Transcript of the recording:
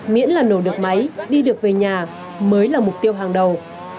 miễn là nổ được máy đi được về nhà mới là mục tiêu hàng đầu